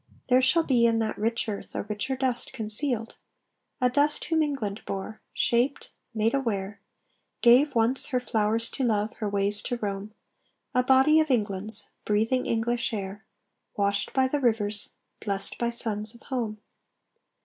There shall be In that rich earth a richer dust concealed; A dust whom England bore, shaped, made aware, Gave, once, her flowers to love, her ways to roam, A body of England's, breathing English air, Washed by the rivers, blest by suns of home.